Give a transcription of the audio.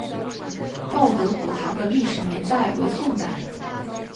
报德古堂的历史年代为宋代。